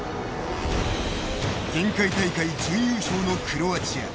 前回大会準優勝のクロアチア。